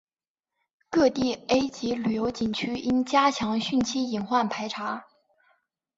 各地 A 级旅游景区应加强汛期隐患排查